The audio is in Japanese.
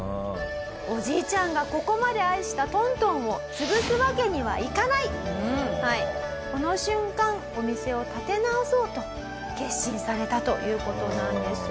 おじいちゃんがここまで愛した東東をこの瞬間お店を立て直そうと決心されたという事なんです。